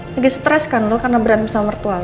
lagi stres kan lo karena berantem sama mertua lo